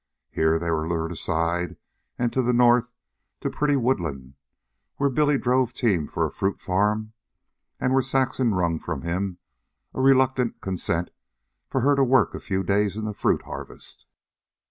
Here they were lured aside and to the north to pretty Woodland, where Billy drove team for a fruit farm, and where Saxon wrung from him a reluctant consent for her to work a few days in the fruit harvest.